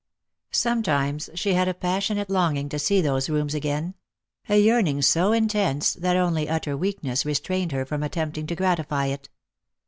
Sometimes she had a passionate longing to see those rooms again ; a yearning so intense that only utter weakness restrained her from attempting to gratify it.